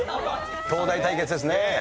東大対決ですね。